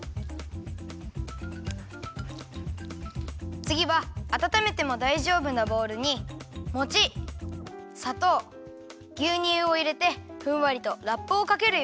つぎはあたためてもだいじょうぶなボウルにもちさとうぎゅうにゅうをいれてふんわりとラップをかけるよ。